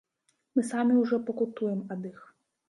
Мы самі ўжо пакутуем ад іх.